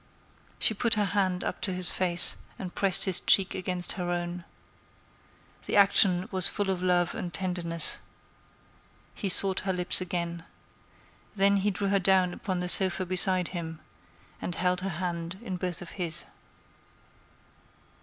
She put her hand up to his face and pressed his cheek against her own. The action was full of love and tenderness. He sought her lips again. Then he drew her down upon the sofa beside him and held her hand in both of his.